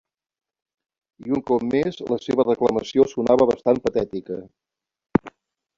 I un cop més, la seva reclamació sonava bastant patètica.